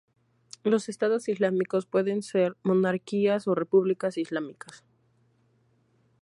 Los Estados islámicos pueden ser monarquías o repúblicas islámicas.